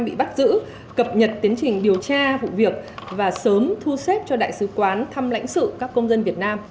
các công dân việt nam bị bắt giữ cập nhật tiến trình điều tra vụ việc và sớm thu xếp cho đại sứ quán thăm lãnh sự các công dân việt nam